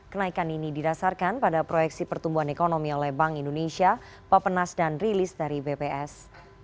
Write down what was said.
kenaikan ini didasarkan pada proyeksi pertumbuhan ekonomi oleh bank indonesia papanas dan rilis dari bps